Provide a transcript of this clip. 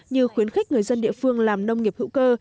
như khuyến khích người dân địa phương làm nông nghiệp hữu cơ